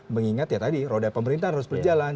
mengingat ya tadi roda pemerintahan harus berjalan